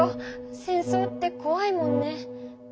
戦争ってこわいもんね。